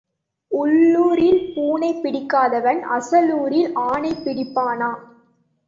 உள்ளூரில் பூனை பிடிக்காதவன் அசலூரில் ஆனை பிடிப்பானா?